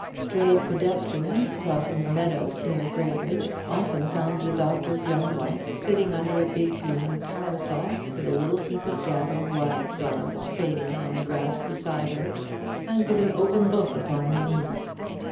Stray pedestrians crossing the meadows near Graybridge often found the doctor's young wife sitting under a big green parasol, with a little heap of gathered wild flowers fading on the grass beside her, and with an open book upon her knees.